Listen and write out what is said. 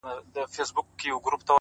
ژمنتیا له خوبه عمل جوړوي,